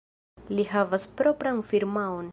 Li havas propran firmaon.